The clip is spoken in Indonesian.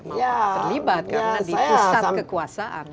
mau terlibat karena di pusat kekuasaan